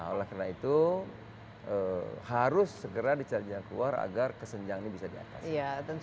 oleh karena itu harus segera dijajar keluar agar kesenjangan ini bisa diatasi